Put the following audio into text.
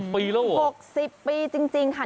๖๐ปีโห่๖๐ปีแล้วจริงค่ะ